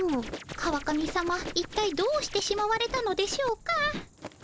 川上さまいったいどうしてしまわれたのでしょうか。